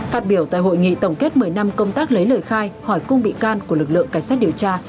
phát biểu tại hội nghị tổng kết một mươi năm công tác lấy lời khai hỏi cung bị can của lực lượng cảnh sát điều tra